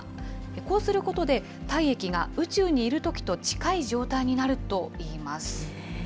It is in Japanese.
こうすることで、体液が宇宙にいるときと近い状態になるといいます。